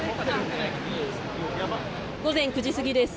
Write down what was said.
午前９時過ぎです。